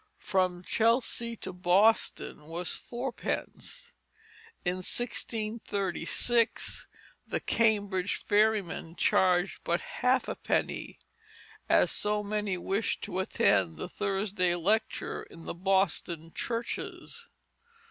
From Chelsea to Boston was fourpence. In 1636 the Cambridge ferryman charged but half a penny, as so many wished to attend the Thursday lecture in the Boston churches.